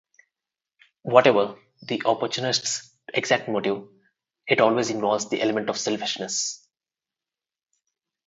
Whatever the opportunist's exact motive, it always involves the element of selfishness.